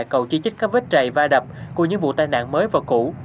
cầu chỉ trích các vết trầy va đập của những vụ tai nạn mới và cũ